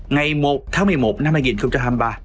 ngày một tháng một mươi một năm hai nghìn hai mươi ba